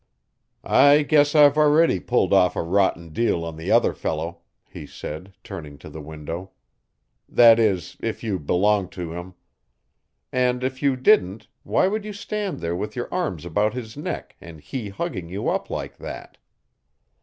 "I guess I've already pulled off a rotten deal on the other fellow," he said, turning to the window. "That is, if you belong to him. And if you didn't why would you stand there with your arms about his neck and he hugging you up like that!"